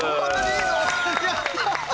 やった！